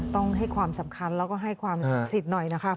ต้องให้ความสำคัญแล้วก็ให้ความศักดิ์สิทธิ์หน่อยนะคะ